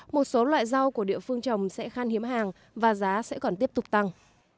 một số loại rau của địa phương trồng sẽ khan hiếm hàng và giá sẽ còn tiếp tục tăng